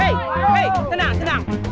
hei hei tenang tenang